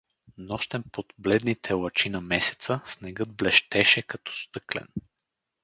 Нощем, под бледните лъчи на месеца, снегът блещеше като стъклен.